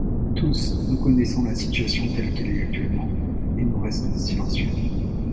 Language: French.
Tous, nous connaissons la situation telle qu’elle est actuellement, et nous restons silencieux.